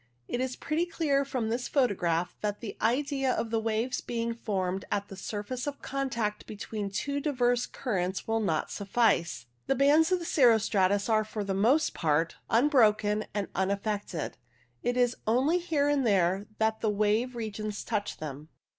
It is pretty clear from this photograph that the idea of the waves being formed at a surface of contact between two diverse currents will not suffice. The bands of the cirro stratus are for the most part unbroken and unaf fected ; it is only here and there that the wave region touches them.